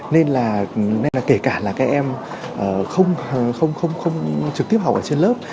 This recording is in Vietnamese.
nên là kể cả là các em không trực tiếp học ở trên lớp